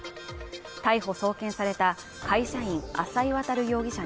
逮捕送検された会社員浅井渉容疑者